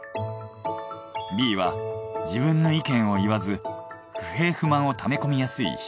Ｂは自分の意見を言わず不平不満を溜め込みやすい人。